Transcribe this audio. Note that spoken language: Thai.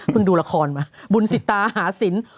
มึงดูละครมาบุญสิตาหาสิน